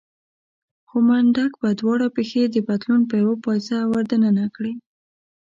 خو منډک به دواړه پښې د پتلون په يوه پایڅه ور دننه کړې.